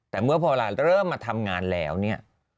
แต่เมื่อพอเวลาเริ่มมาทำงานแล้วเนี่ย